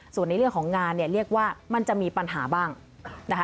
ส่วนในเรื่องของงานเนี่ยเรียกว่ามันจะมีปัญหาบ้างนะคะ